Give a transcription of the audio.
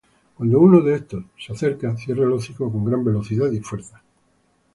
Cuando uno de estos se acerca, cierra el hocico con gran velocidad y fuerza.